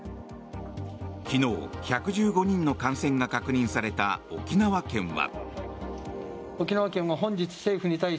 昨日、１１５人の感染が確認された沖縄県は。